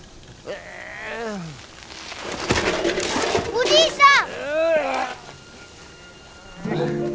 おじいさん！